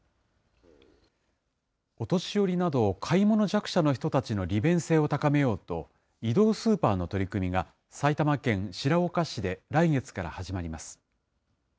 お年寄りなど、買い物弱者の人たちの利便性を高めようと、移動スーパーの取り組みが埼玉県白岡市で来月から始まります。